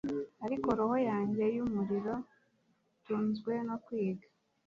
ariko roho yanjye yumuriro, itunzwe no kwiga